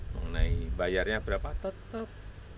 mengenai bayarnya berapa tetap